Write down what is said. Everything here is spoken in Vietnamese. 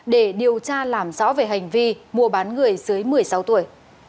để điều tra làm rõ về hành vi mua bán người dưới một mươi sáu tuổi